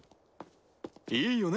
いいよね？